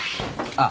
あっ。